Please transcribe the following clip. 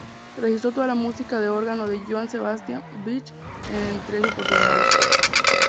Registro toda la música de órgano de Johann Sebastian Bach en tres oportunidades.